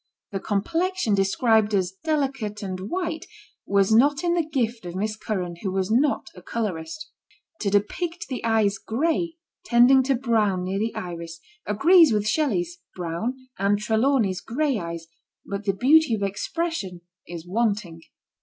The complexion described as deli cate and white was not in the gift of Miss Curran, who was not a colourist. To depict the eyes grey, tending to brown near the iris, agrees with Shelley's, "brown" and Trelawny's " grey" eyes, but the beauty of expression is wanting.